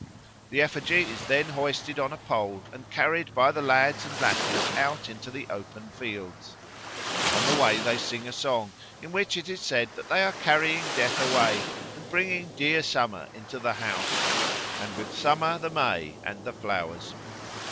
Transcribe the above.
The effigy is then hoisted on a pole and carried by the lads and lasses out into the open fields. On the way they sing a song, in which it is said that they are carrying Death away and bringing dear Summer into the house, and with Summer the May and the flowers.